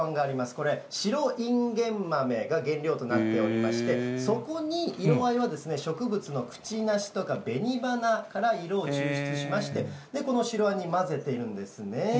これ、白隠元豆が原料となっておりまして、そこに、色合いは植物のクチナシとかベニバナから色を抽出しまして、この白あんに混ぜているんですね。